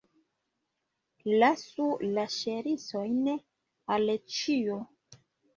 Lasu la ŝercojn, Aleĉjo!